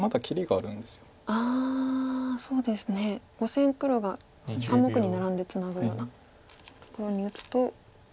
５線黒が３目にナラんでツナぐようなところに打つと。